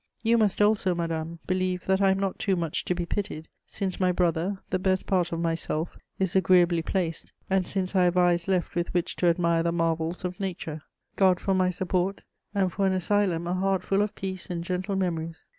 "You must also, madame, believe that I am not too much to be pitied, since my brother, the best part of myself, is agreeably placed, and since I have eyes left with which to admire the marvels of nature, God for my support, and for an asylum a heart full of peace and gentle memories.